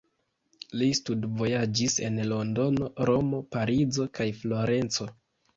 Li studvojaĝis en London, Romo, Parizo, kaj Florenco.